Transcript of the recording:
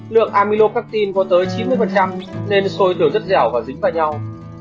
lượng amylopeptin có tới chín mươi nên sôi tưởng rất dẻo và dính vào nhau